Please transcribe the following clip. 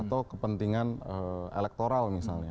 atau kepentingan elektoral misalnya